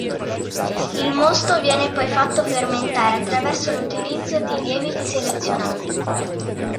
Il mosto viene poi fatto fermentare attraverso l'utilizzo di lieviti selezionati.